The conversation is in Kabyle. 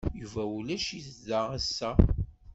Yuba ulac-it da ass-a.